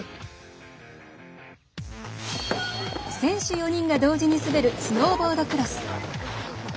選手４人が同時に滑るスノーボードクロス。